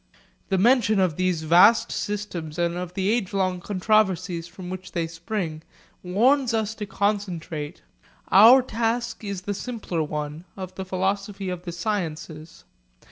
The mention of these vast systems and of the age long controversies from which they spring, warns us to concentrate. Our task is the simpler one of the philosophy of the sciences.